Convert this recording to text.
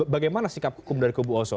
bagaimana sikap hukum dari kubu oso